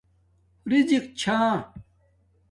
رزِق چھا